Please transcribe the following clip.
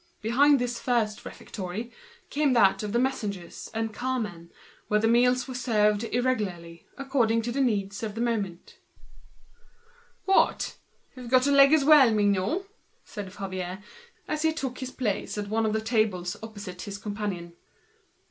After this first refectory came that of the messengers and car men, where the meals were served irregularly, according to the necessities of the work. "What! you've got a leg as well, Mignot?" said Favier, as he took his place at one of the tables opposite his companion.